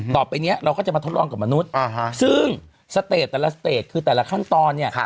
ต่อไปนี้เราก็จะมาทดลองกับมนุษย์ซึ่งสเตจแต่ละสเตจคือแต่ละขั้นตอนเนี่ย